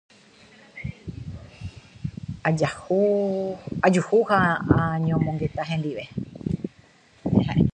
ajuhu ha añomongeta hendive.